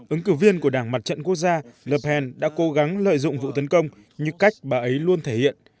ứng cử viên của đảng mặt trận quốc gia le penn đã cố gắng lợi dụng vụ tấn công như cách bà ấy luôn thể hiện